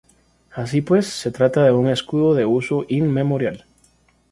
Así pues, se trata de un escudo de uso inmemorial.